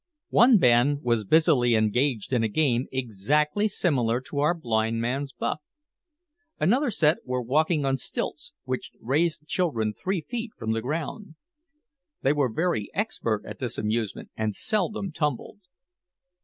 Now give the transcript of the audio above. One band was busily engaged in a game exactly similar to our blind man's buff. Another set were walking on stilts, which raised the children three feet from the ground. They were very expert at this amusement, and seldom tumbled.